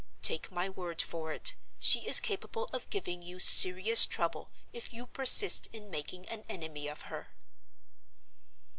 Take my word for it, she is capable of giving you serious trouble if you persist in making an enemy of her."